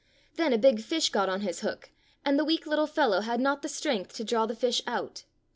Then a big fish got on his hook, and the weak little fellow had not the strength to draw the fish out.